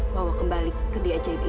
bawa kembali gede ajaib itu